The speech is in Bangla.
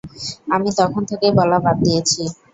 আমি তখন থেকেই বলা বাদ দিয়েছি।